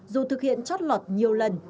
dù thực hiện chót lọt nhiều lần